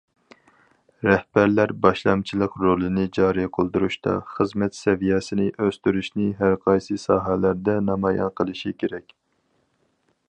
رەھبەرلەر باشلامچىلىق رولىنى جارى قىلدۇرۇشتا خىزمەت سەۋىيەسىنى ئۆستۈرۈشنى ھەر قايسى ساھەلەردە نامايان قىلىشى كېرەك.